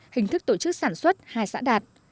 hình thức tổ chức sản xuất hai xã đạt